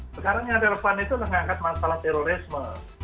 sekarang yang ada depan itu mengangkat masalah terorisme